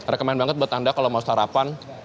rekeman banget buat anda kalau mau sarapan